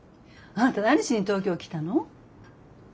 あなた何しに東京来たの？